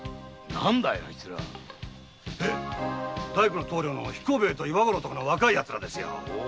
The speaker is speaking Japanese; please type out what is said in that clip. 大工の彦兵衛と岩五郎の若いヤツらですよ。